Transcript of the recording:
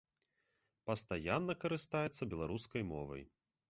Пастаянна карыстаецца беларускай мовай.